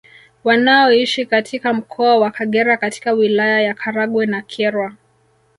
Wanaoishi katika mkoa wa Kagera katika wilaya ya Karagwe na Kyerwa